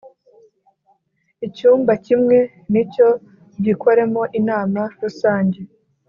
icyumba kimwe nicyo gikoremo inama rusange